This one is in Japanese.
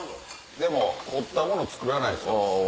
でも凝ったもの作らないです。